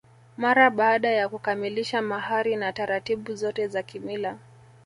Mara baada ya kukamilisha mahari na taratibu zote za kimila